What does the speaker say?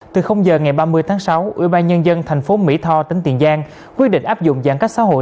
từ giờ ngày ba mươi tháng sáu ủy ban nhân dân thành phố mỹ tho tỉnh tiền giang quyết định áp dụng giãn cách xã hội